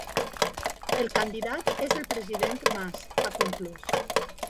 El candidat és el president Mas, ha conclòs.